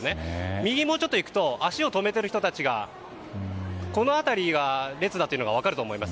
右にもうちょっと行くと足を止めている人がいてここが列だというのが分かります。